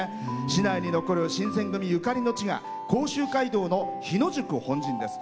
市内に残る新選組ゆかりの地が甲州街道の日野宿本陣です。